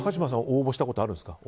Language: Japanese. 応募したことあるんですか？